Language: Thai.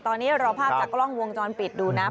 ตอนนี้รอภาพจากกล้องวงจรปิดดูนะ